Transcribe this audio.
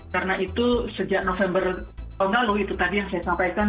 karena itu sejak november tahun lalu itu tadi yang saya sampaikan